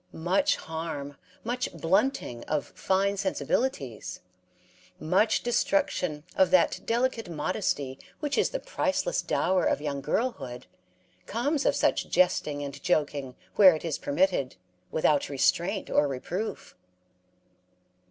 Much harm, much blunting of fine sensibilities, much destruction of that delicate modesty which is the priceless dower of young girlhood, comes of such jesting and joking where it is permitted without restraint or reproof.